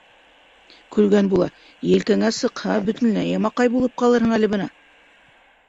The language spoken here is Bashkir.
Көлгән була, елкәңә сыҡһа, бөтөнләй ямаҡай булып ҡалырһың әле бына.